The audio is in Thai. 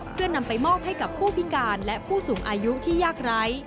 เพื่อนำไปมอบให้กับผู้พิการและผู้สูงอายุที่ยากไร้